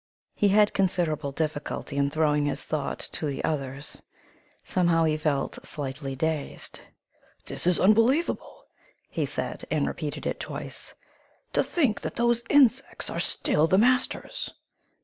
He had considerable difficulty in throwing his thought to the others; somehow he felt slightly dazed. "This is unbelievable!" he said, and repeated it twice. "To think that those insects are still the masters!"